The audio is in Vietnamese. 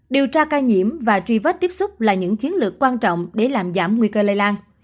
điều tra ca nhiễm và truy vết tiếp xúc là những chiến lược quan trọng để làm giảm nguy cơ lây lan